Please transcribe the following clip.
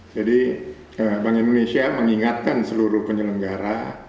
jadi bank indonesia mengingatkan seluruh penyelenggara